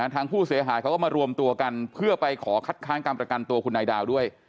ทางผู้เสียหายเขาก็มารวมตัวกันเพื่อไปขอคัดค้างการประกันตัวคุณนายดาวด้วย